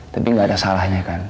tapi nggak ada salahnya kan